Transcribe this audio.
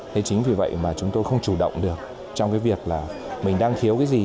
thế chính vì vậy mà chúng tôi không chủ động được trong cái việc là mình đang thiếu cái gì